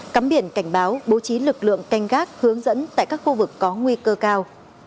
cắm biển cảnh báo bố trí lực lượng canh gác hướng dẫn tại các khu vực có nguy cơ cao